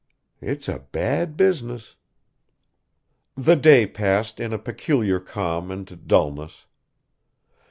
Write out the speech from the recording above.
It's a bad business." The day passed in a peculiar calm and dullness.